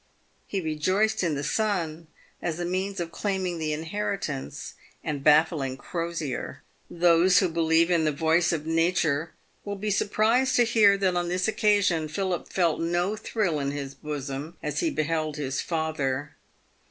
He rejoiced in the son as a means of claiming the inheritance and baffling Crosier. Those who believe in the voice of nature will be surprised to hear that on this occasion Philip felt no thrill in his bosom as he beheld his father.